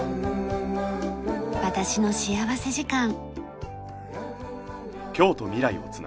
『私の幸福時間』。